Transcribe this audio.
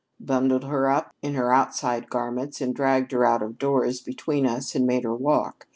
"Bundled her up in her outside garments and dragged her out of doors between us and made her walk.